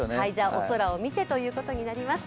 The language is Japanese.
お空を見てということになります。